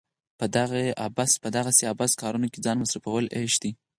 په دغسې عبث کارونو کې ځان مصرفول عيش دی.